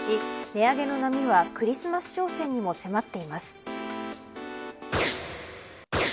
値上げの波はクリスマス商戦にも迫っています。